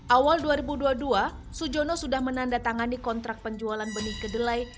awal dua ribu dua puluh dua sujono sudah menandatangani kontrak penjualan benih kedelai